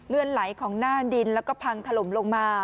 ไหลของหน้าดินแล้วก็พังถล่มลงมา